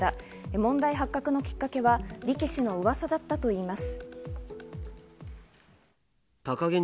問題発覚のきっかけは力士のうわさだったといいます。